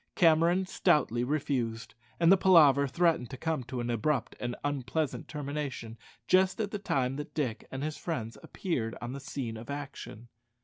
Cameron stoutly refused, and the palaver threatened to come to an abrupt and unpleasant termination just at the time that Dick and his friends appeared on the scene of action.